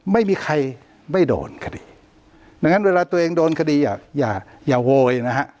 ไม่มีใครไม่โดนคดีดังนั้นเวลาตัวเองโดนคดีอย่าอย่าโวยนะฮะ